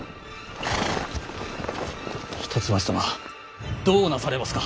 一橋様どうなされますか？